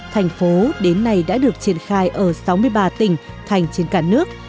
thành phố đến nay đã được triển khai ở sáu mươi ba tỉnh thành trên cả nước